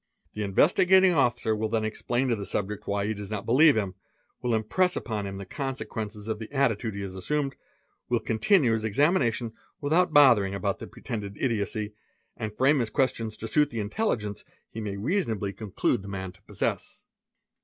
The Investigating sr will then explain to the suspect why he does not believe him, ill impress upon him the consequences of the attitude he has assumed, I Beentinne his examination without bothering about the pretended ocy, and frame his questions to suit the intelligence he may reasonably clude the man to possess. $M OLS.